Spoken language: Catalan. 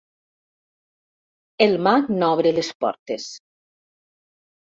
El mag n'obre les portes.